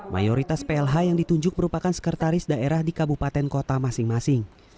mayoritas plh yang ditunjuk merupakan sekretaris daerah di kabupaten kota masing masing